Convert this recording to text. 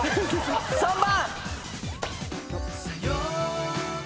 ３番！